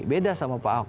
beda sama pak ahok